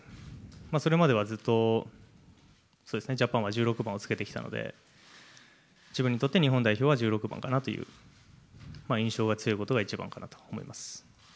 それまではずっとジャパンは１６番をつけてきたので、自分にとって日本代表は１６番かなという、印象が強いことが一番かなと思います。